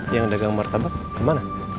yang dagang martabak kemana